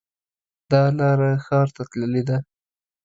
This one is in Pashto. دا لاره ښار ته تللې ده